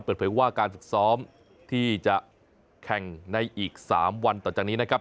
เปิดเผยว่าการฝึกซ้อมที่จะแข่งในอีก๓วันต่อจากนี้นะครับ